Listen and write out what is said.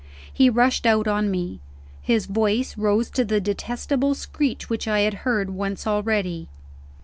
He rushed out on me; his voice rose to the detestable screech which I had heard once already.